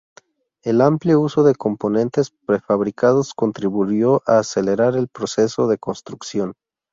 El amplio uso de componentes prefabricados contribuyó a acelerar el proceso de construcción.